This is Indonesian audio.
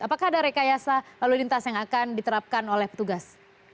apakah ada rekayasa lalu lintas yang akan diterapkan oleh petugas